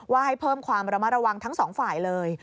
ให้เพิ่มความระมัดระวังทั้งสองฝ่ายเลย